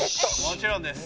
もちろんです。